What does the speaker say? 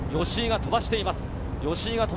吉居が飛ばしています。